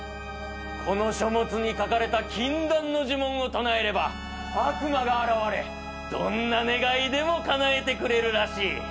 この書物に書かれた禁断の呪文を唱えれば悪魔が現れどんな願いでもかなえてくれるらしい。